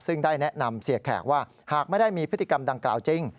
ซึ่งได้แนะนำเสียแขกว่าหากไม่ได้มีพฤติกรรมดังกล่าวจริง